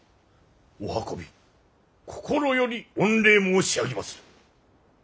お運び心より御礼申し上げまする。